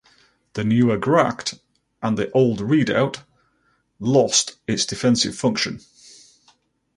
The Nieuwe Gracht and the old redoubt lost its defensive function.